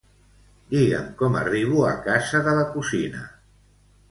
Digue'm com arribo a casa de la cosina.